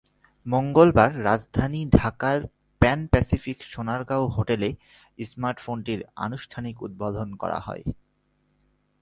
মঙ্গলবার রাজধানী ঢাকার প্যান প্যাসিফিক সোনারগাঁও হোটেলে স্মার্টফোনটির আনুষ্ঠানিক উদ্বোধন করা হয়।